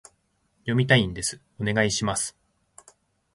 読みたいんです、お願いします